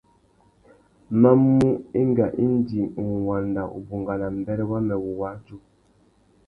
Ma mú enga indi nʼwanda ubungana mbêrê wamê wuwadjú.